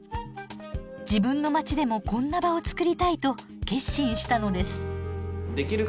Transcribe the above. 自分の街でもこんな場を作りたいと決心したのです。